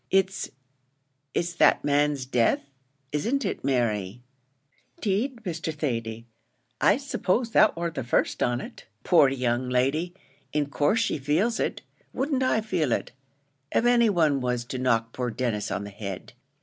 It's it's that man's death, isn't it, Mary?" "'Deed, Mr. Thady, I s'pose that war the first on it. Poor young lady! in course she feels it. Wouldn't I feel it, av any one was to knock poor Denis on the head?